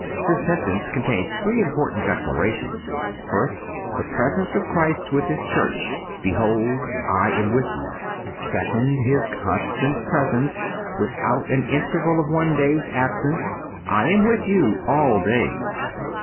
(103) This sentence contains three important declarations: First—The presence of Christ with His Church—"Behold, I am with you." Second—His constant presence, without an interval of one day's absence—"I am with you all days."